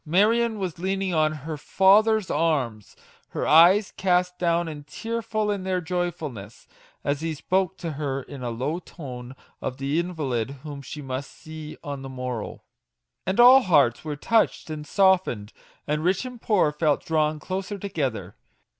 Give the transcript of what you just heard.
Marion was leaning on her father's arm her 54 MAGIC WORDS. eyes cast down and tearful in their joyfulness, as he spoke to her in a low tone of the invalid whom she must see on the morrow. And all hearts were touched and softened, and rich and poor felt drawn closer together!